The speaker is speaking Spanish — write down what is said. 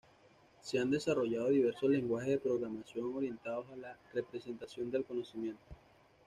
Se han desarrollado diversos lenguajes de programación orientados a la representación del conocimiento.